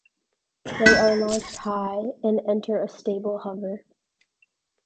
They are launched high, and enter a stable hover.